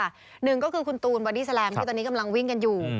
หนึ่งก็คือคุณตูนบอดี้แลมที่ตอนนี้กำลังวิ่งกันอยู่